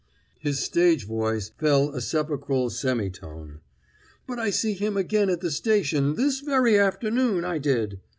His stage voice fell a sepulchral semitone. "But I see him again at the station this very afternoon, I did!